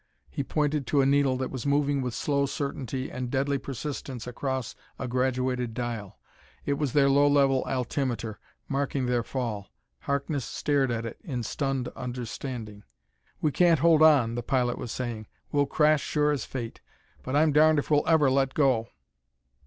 He pointed to a needle that was moving with slow certainty and deadly persistence across a graduated dial. It was their low level altimeter, marking their fall. Harkness stared at it in stunned understanding. "We can't hold on," the pilot was saying; "We'll crash sure as fate. But I'm darned if we'll ever let go!"